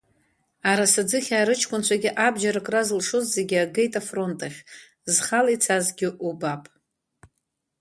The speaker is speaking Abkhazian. Арасаӡыхьаа рыҷкәынцәагьы абџьар акра зылшоз зегьы агеит афронт ахь, зхала ицазгьы убап.